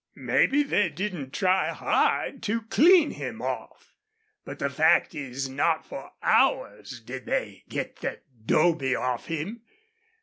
Mebbe they didn't try hard to clean him off. But the fact is not for hours did they get thet 'dobe off him.